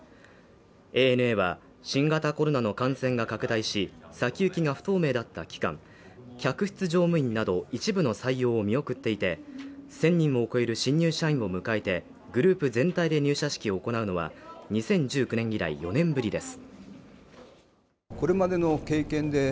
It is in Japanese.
ＡＮＡは、新型コロナの感染が拡大し、先行きが不透明だった期間、客室乗務員など一部の採用を見送っていて、１０００人を超える新入社員を迎えて、グループ全体で入社式を行うのは２０１９年以来４年ぶりです。